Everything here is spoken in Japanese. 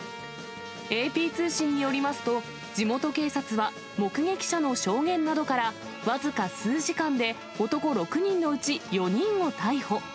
ＡＰ通信によりますと、地元警察は、目撃者の証言などから、僅か数時間で男６人のうち４人を逮捕。